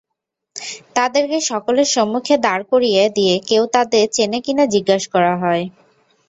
তাদেরকে সকলের সম্মুখে দাঁড় করিয়ে দিয়ে কেউ তাদের চেনে কি-না জিজ্ঞেস করা হয়।